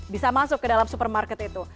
bisa masuk ke dalam supermarket itu